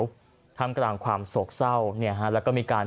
โดยวิญญาณของลูกสาวทำกลางความโศกเศร้าเนี่ยแล้วก็มีการ